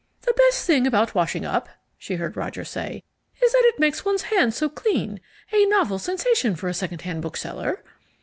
"The best thing about washing up," she heard Roger say, "is that it makes one's hands so clean, a novel sensation for a second hand bookseller."